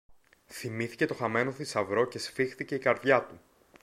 Θυμήθηκε το χαμένο θησαυρό και σφίχθηκε η καρδιά του.